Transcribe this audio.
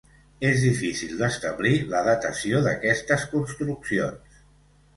És difícil d'establir la datació d'aquestes construccions.